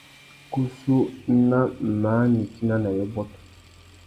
Kussú nà măh nitina nà yôbôt.